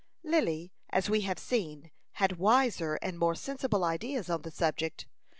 Lily, as we have seen, had wiser and more sensible ideas on the subject.